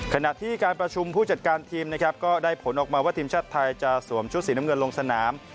ขณะที่การประชุมผู้จัดการทีมนะครับก็ได้ผลออกมาว่าทีมชาติไทยจะสวมชุดสีน้ำเงินลงสนาม